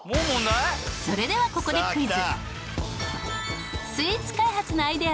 それではここでクイズ！